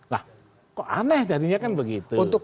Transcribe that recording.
lah kok aneh jadinya kan begitu